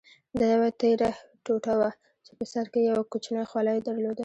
دا یوه تېره ټوټه وه چې په سر کې یې یو کوچنی خولۍ درلوده.